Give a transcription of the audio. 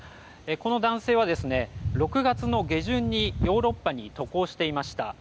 この男性は、６月の下旬にヨーロッパに渡航していました。